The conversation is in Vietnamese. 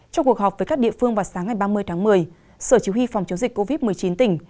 trong cuộc họp với các địa phương vào sáng ngày ba mươi tháng một mươi sở chỉ huy phòng chống dịch covid một mươi chín tỉnh